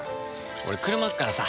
俺車あっからさ。